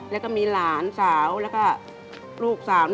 แล้วก็มีหลานสาวแล้วก็ลูกสาว